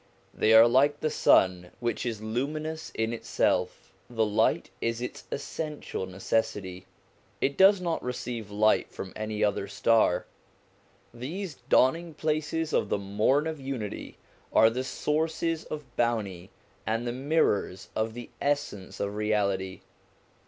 They are like the sun which is luminous in itself : the light is its essential necessity ; it does not receive light from any other star. These Dawning places of the morn of Unity are the sources of Bounty, and the mirrors of the Essence of Reality.